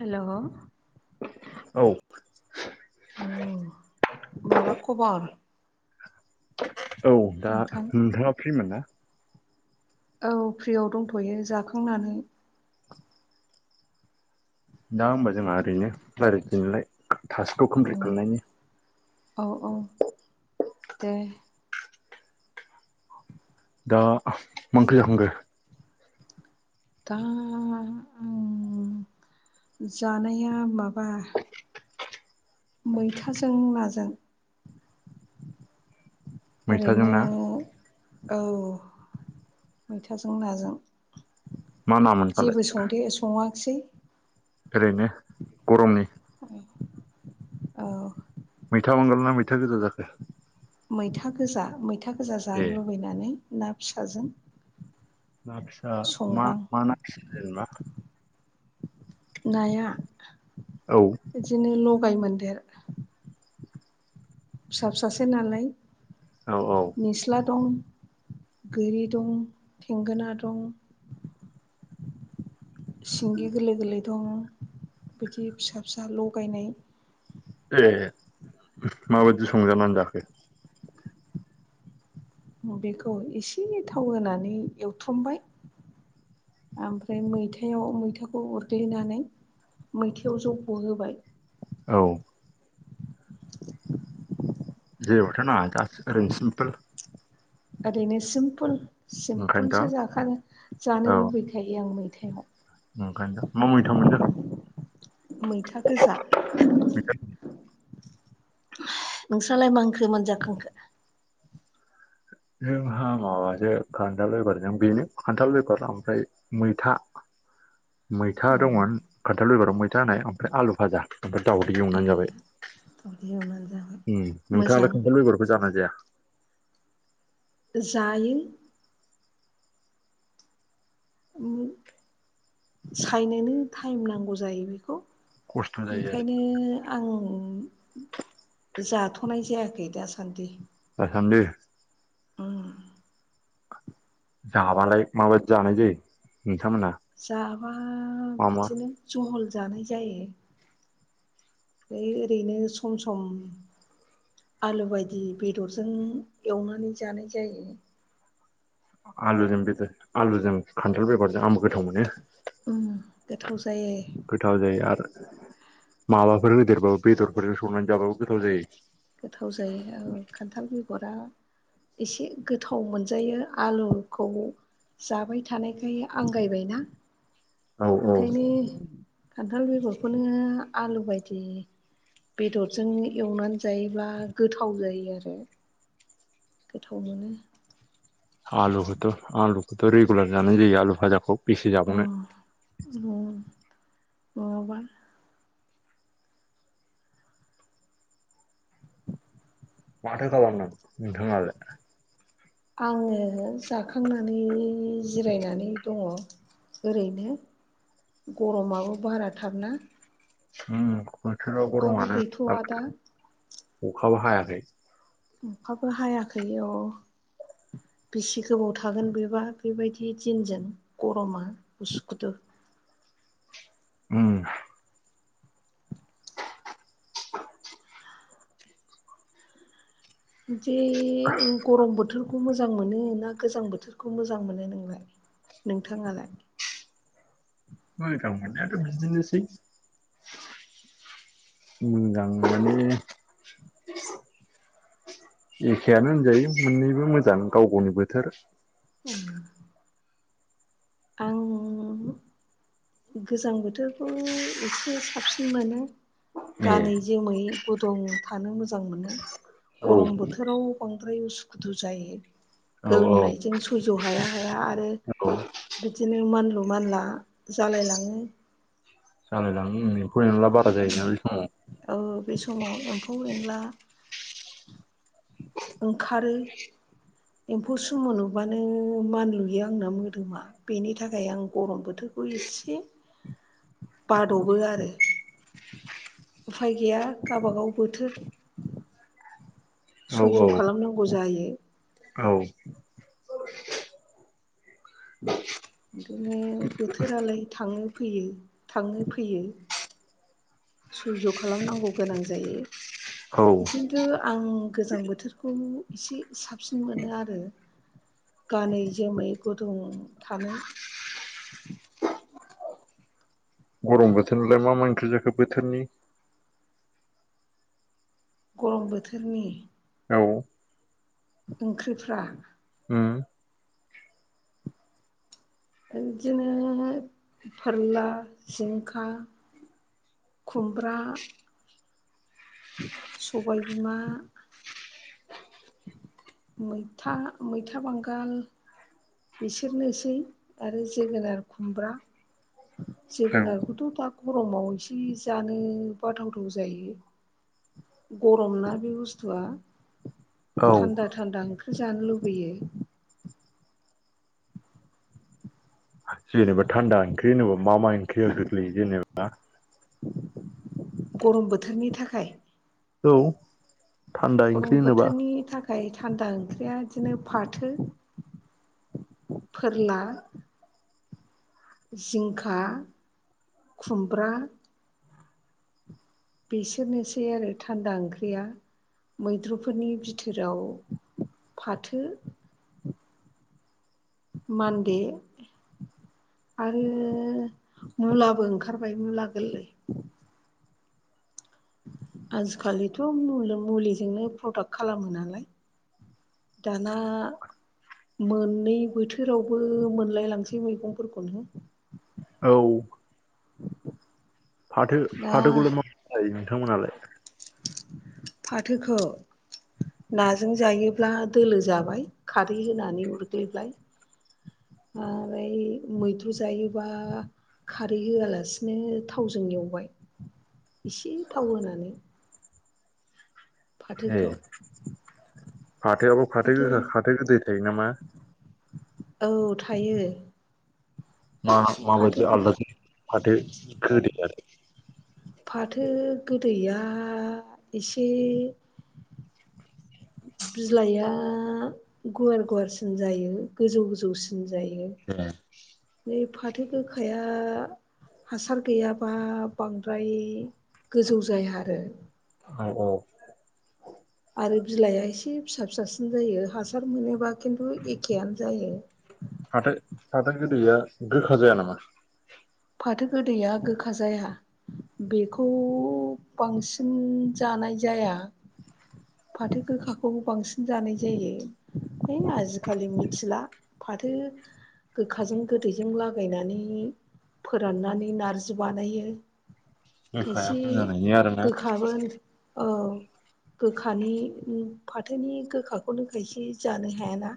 हेल' औ माबा खबर औ दा नोंथां? नोंथाङा फ्रिमोन ना औ फ्रियाव दंथ'यो जाखांनानै दा होनबा जोंहा ओरैनो रालायदिनिलाय थासखौ' कमप्लिट खालामनायनि औ औ दे दा मा ओांख्रि जाखांखो? दा जानाया माबा मैथाजों नाजों मैथाजों ओरैनो ना औ मैथाजों नाजों मा नामोनफालाय जेबो संदे सङाखसै ओरैनो गरमनि औ मैथा बांगाल ना मैथा गोजा जाखो? मैथा गोजा मैथा गोजा जानो ए लुबैनानै ना फिसाजों ना फिसा मा संदां मा ना फिसा जेनेबा? नाया औ बिदिनो लगाय मोनदेर फिसा फिसासो नालाय औ औ निस्ला दं गोरि दं थेंगोना दं सिंगि गोरलै गोरलै दं बिदि फिसा फिसा लगायनाय ए माबायदि संजानानै जाखो? बेखौ एसे थाव होनानै एवथ्रमबाय ओमफ्राय मैथायाव मैथाखौ उरग्लिनानै मैथायाव जब' होबाय औ जेबोथ' नाङा दा ओरैनो सिमपोल ओरैनो सिमपोल सिमपोलसो ओंखायनोथ' जाखा जानो औ लुबैखायो आं मै ओंखायनोथ' मा मैथाम मोन जाखो? मैथा गोजा नोंस्रालाय मा ओंख्रि मोनजाखांखो? जोंहा माबासो खान्थाल बेगरजों बेनो खान्थाल बेगर ओमफ्राय मैथा। [inaudible] मैथा दंमोन। खान्थाल बेगराव मैथा होनाय, ओमफ्राय आलु फाजा ओमफ्राय दाउदै अ ए एवना जाबाय। [inaudible] उम मोजां नोंथाङालाय खान्थाल बेगरखौ जाना जाया? जायो। सायनोनो टाइम नांगौ जायो बेखौ। खस्थ' जायो आरो ओंखायनो आं जाथ'नाय जायाखै खै दा सानदि [unintelligible] उम जाबालाय माबादि जानाय जायो? नोंथांमोना जाबा मा मा बिदिनो जहल जानाय जायो। ओरैनो सम सम आलु बायदि बेदरजों एवनानै जानाय जायो। आलुजों बेदर आलुजों खान्थाल बेगरजों आं गोथाव मोनो। उम गोथाव जायो गोथाव जायो आरो माबाफोर होदेरबाबो बेदरफोरजों संनानै जाबाबो गोथाव जायो। गोथाव जायो औ खान्थाल बेगरा एसे गोथाव मोनजायो आलुखौ जाबाय थानायखाय आंगायबायना। औ औ ओंखायनो खान्थाल बेगर खौनो आलु बायदि बेदरजों एवना जायोबा गोथाव जायो आरो गोथाव मोनो। आलुखोथ' आलुखोथ' रिगुलार जानाय जायो आलु भाजाखौ। बेसे जाबावनो अ [unintelligible] माथो खालामदों नोंथाङालाय? आङो जाखांना नै जिरायनानै दङ ओरैनो। गरमाबो बारा थारना। उम बोथोरा गरमानो गैथ'वा दा [unintelligible] अखाबो हायाखै। अखाबो हायाखै औ। [inaudible] बेसि गोबाव थागोन बेबा बेबायदि दिनजों गरमा उसु खुदु उम जे गरम बोथोर मोजां मोनो ना गोजां बोथोरखौ मोजां मोनो नोंलाय नोंथाङालाय? मोजां मोननायाथ' बिदिनोसै। मोजां माने एखेआनो होनजायो मोननैबो मोजां गाव गावनि बोथोर। [unintelligible] आं गोजां बोथोरखौ एसे साबसिन मोनो ए गानै जोमै गुदुं थानो मोजां मोनो। औ गरम बोथोराव बांद्राय उसु खुदु जायो। औ औ गोलोमनायजों सैज' हाया हाया आरो औ बिदिनो मानलु मानला जालायलाङो। जालायलाङो उम एम्फौ एनला बारा जायोना बे समाव। ओ बे समाव एम्फौ एनला ओंखारो। एम्फौ सुमु नुबानो मानलुयो आंना मोदोमा, बेनि थाखाय आं गरम बोथोर खौ एसे औ बाद'बो आरो उफाय गैया गाव बा गाव बोथोर औ सैज' खालामनांगौ जायो। औ [unintelligible] बिदिनो बोथोरा लाय थांङो फैयो थांङो फैयो। सैज' खालामनांगौ गोनां औ जायो। खिन्थु आं गोजां बोथोरखौ एसे साबसिन मोनो आरो गानै जोमै गुदुं थानो। औ दं बोथोरनिलाय मा मा ओंख्रि जाखो बोथोरनि गरम बोथोरनि औ ओंख्रि फ्रा उम बिदिनो फोरला जिंखा खुमब्रा सबाय बिमा मैथा मैथा बांगाल बिसोरनोसै आरो जोगोनार खुमब्रा औ जोगोनारखौथ' दा गरमाव एसे जानो बाथावथाव जायो। गरम ना बे बुस्थुआ औ थान्दा थान्दा ओंख्रि जानो लुबैयो। जेनेबा थान्दा ओंख्रि होनबा मा मा ओंख्रिया गोख्लैयो जेनेबा। गरम बोथोरनि थाखाय औ थान्दा गरम ओंख्रि होनोबा बोथोरनि थाखाय थान्दा ओंख्रिया बिदिनो फाथो फोरला जिंखा खुमब्रा बिसोरनोसै आरो थान्दा ओंख्रिया। मैद्रुफोरनि बिथोराव फाथो मान्दे आरो मुलाबो ओंखारबाय मुला गोरलै। आजिखालिथ' मुलिजोंनो प्रडाक्ट खालामो नालाय दाना मोननै बोथोरावबो मोनलाय लांसै मैगंफोरखौनो। औ औ फाथो फाथोखौल' माव जायो नोंथांमोनालाय। फाथोखौ नाजों जायोब्ला दोलो जाबाय खारै होनानै उरग्लिबाय। ओमफ्राय मैद्रु जायोबा खारै होआलासिनो थावजों एवबाय एसे थाव होनानै। ए फाथोखौ फाथोआबो फाथो गो फाथो गोदै थायो नामा? औ थायो। मा फाथो माबायदि आलादा फाथो गोदोआलाय? फाथो गोदैया एसे बिलाइआ गुवार गुवारसिन जायो गोजौ गोजौसिन। जायो ए नै फाथो गोखाया हासार गैयाब्ला बांद्राय गोजौ जाया आरो औ औ आरो बिलाइआ एसे फिसा फिसासिन जायो हासार मोनोबा खिन्थु एखेआनो जायो। फाथो फाथो गोदैया गोखा जाया नामा? फाथो गोदैया गोखा जाया बेखौ बांसिन जानाय जा जाया। फाथो गोखाखौबो बांसिन जानाय जायो है आजिखालि मिथिला। फाथो गोखाजों गोदैजों लागायनानै फोराननानै नार्जि बानायो। गोखाया खायसे खम जानायनि आरोना गोखाबोन औ। गोखानि फाथोनि गोखाखौनो खायसे जानो हायाना।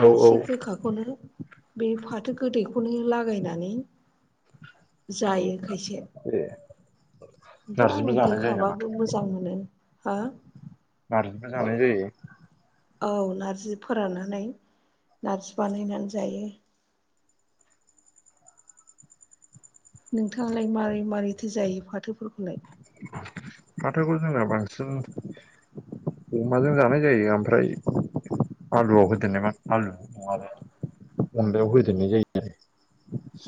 औ औ एसे गोखाखौनो बे फाथो गोदैखौनो लागायना नानै जायो खायसे ए खिन्थ' आं नारजिबो जानाय जायो नामा गोखाबाबो मोजां मोनो हा नारजिफ्राय जानाय जायो। औ नारजि फोराननानै नारजि बानायनानै जायो। नोंथाङालाय मारै मारैथो जायो फाथोफोरखौलाय? फाथोखौ जोंना बांसिन अमाजों जानाय जायो ओमफ्राय आलुआव होदोननाय मा आलु नङाबा अनदायाव होदेरनाय जायो आरो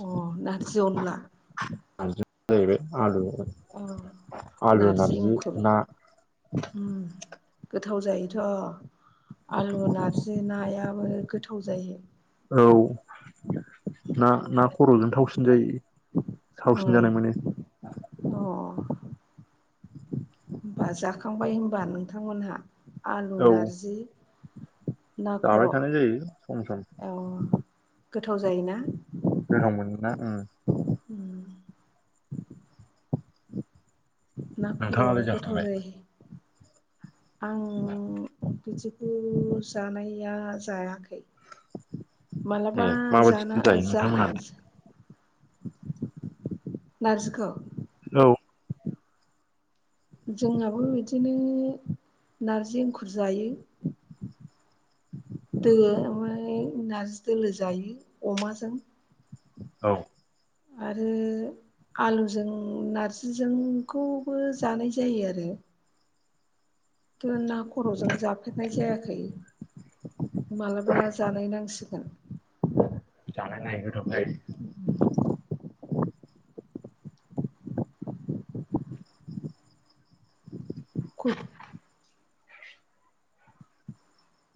अ नारजि अनला नारजि जाहैबाय आलु औ आलु नारजि ना उम गोथाव जायोथ' आलु नारजि नायाबो गोथाव जायो। औ ना ना खर'जों थावसिन जायो। औ थावसिन जानाय मोनो अ होमबा जाखांबाय होनोमबा नोंथांमोनहा आलु औ नारजि? ना जाबाय खर' औ थानाय जायो सम सम गोथाव जायोना? गोथावमोनो ना उम ना खर'आ नोंथाङालाय गोथाव जाखांबाय जायो। आं बिदिखौ जानाया जायाखै [unintelligible] मालाबा ए जाना माबायदि जायो जा नोंथांमोनालाय जा नारजिखौ? औ जोंहाबो बिदिनो नारजि एंखुर जायो। दो ओमफाय नारजि दोलो जायो अमाजों औ आरो आलुजों नारजिजोंखौबो जानाय जायो आरो। थो ना खर'जों जाफेरनाय जायाखै माबलाबा जानाय नांसि गोन जानायाय नाय गोथाव जायो। खुल